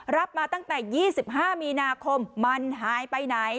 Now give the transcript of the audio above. รับมาตั้งแต่๒๕มีนาคมมันหายไปไหน